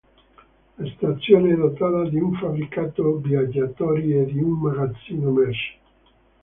La stazione è dotata di un fabbricato viaggiatori e di un magazzino merci.